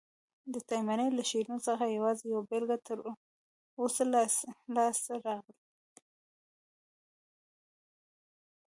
د تایمني له شعرونو څخه یوازي یوه بیلګه تر اوسه لاسته راغلې ده.